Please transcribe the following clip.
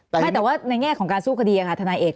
แต่ว่าในแง่ของการสู้คดีอย่างนั้นธนาเอก